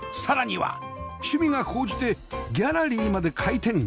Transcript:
さらには趣味が高じてギャラリーまで開店